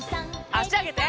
あしあげて。